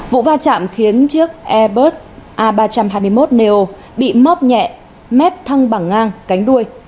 vụ va chạm khiến chiếc airbus a ba trăm hai mươi một neo bị móc nhẹ mép thăng bằng ngang cánh đuôi